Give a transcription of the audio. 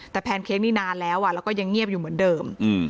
แต่แพนเค้กนี่นานแล้วแล้วก็ยังเงียบอยู่เหมือนเดิม